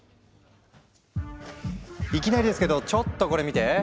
いきなりですけどちょっとこれ見て。